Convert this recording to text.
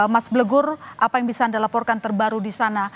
mas blegur apa yang bisa anda laporkan terbaru di sana